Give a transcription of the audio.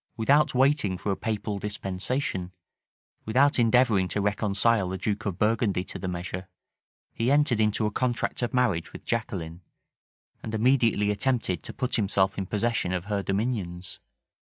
Without waiting for a papal dispensation; without endeavoring to reconcile the duke of Burgundy to the measure; he entered into a contract of marriage with Jaqueline, and immediately attempted to put himself in possession of her dominions.